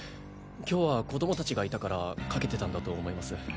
今日は子供たちがいたからかけてたんだと思います。